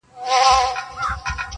o په هره شپه پسي سهار سته.